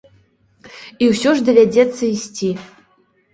І усё ж давядзецца ісці.